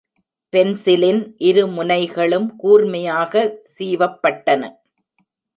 Penicillin இரு முனைகளும் கூர்மையாக சீவப்பட்டன.